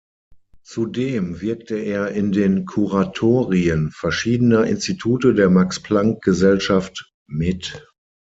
Zudem wirkte er in den Kuratorien verschiedener Institute der Max-Planck-Gesellschaft mit.